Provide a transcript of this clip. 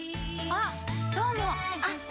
あっ、どうも。